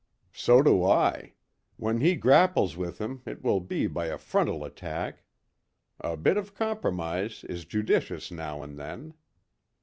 "So do I. When he grapples with him it will be by a frontal attack." "A bit of compromise is judicious now and then."